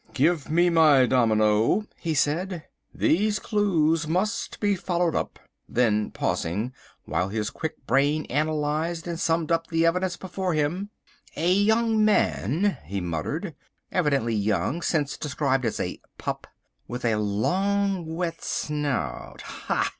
"Give me my domino," he said. "These clues must be followed up," then pausing, while his quick brain analysed and summed up the evidence before him—"a young man," he muttered, "evidently young since described as a 'pup,' with a long, wet snout (ha!